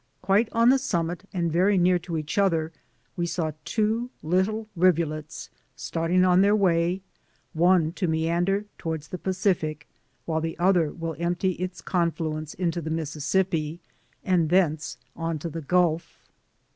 Quite on the summit and very near to each other we saw two little rivulets starting on their way ; one to meander toward the Pacific, while the other will empty its confluence into the Mis sissippi, and thence on to the Gulf.